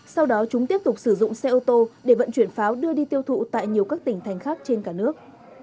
sau đó chúng tiếp tục sử dụng xe ô tô để vận chuyển pháo đưa đi tiêu thụ tại nhiều các tỉnh thành khác trên cả nước